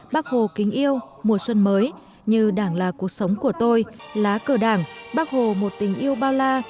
bác hồ kính yêu mùa xuân mới như đảng là cuộc sống của tôi lá cờ đảng bác hồ một tình yêu bao la